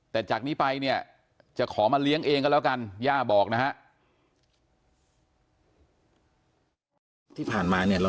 แต่จากนี้ไปเนี่ยจะขอมาเลี้ยงเองก็แล้วกันย่าบอกนะฮะ